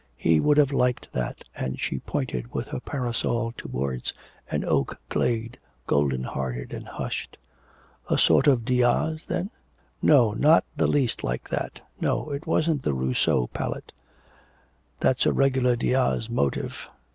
'He would have liked that,' and she pointed with her parasol towards an oak glade, golden hearted and hushed. 'A sort of Diaz, then?' 'No, not the least like that. No, it wasn't the Rousseau palette.' 'That's a regular Diaz motive.